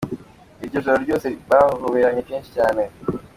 Iryo joro ryose bahoberanye kenshi cyane.